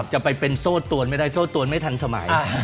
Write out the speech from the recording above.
จะไปเป็นโซ่ตวนไม่ได้โซ่ตวนไม่ทันสมัย